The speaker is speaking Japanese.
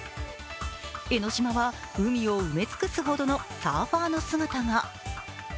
江の島は海を埋め尽くすほどのサーファーの姿が。